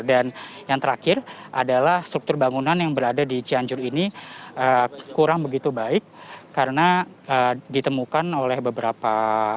dan yang terakhir adalah struktur bangunan yang berada di cianjur ini kurang begitu baik karena ditemukan oleh beberapa